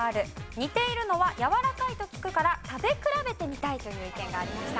煮ているのはやわらかいと聞くから食べ比べてみたいという意見がありました。